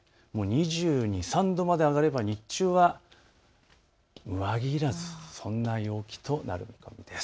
２２、２３度まで上がれば、日中は上着いらずそんな陽気となる見込みです。